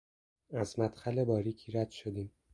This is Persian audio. از مدخل باریکی رد شدیم.